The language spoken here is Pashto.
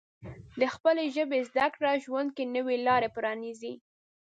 د خپلې ژبې زده کړه ژوند کې نوې لارې پرانیزي.